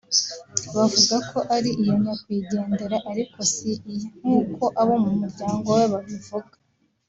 bavuga ko ari iya nyakwigendera ariko si iye; nk’uko abo mu muryango we babivuga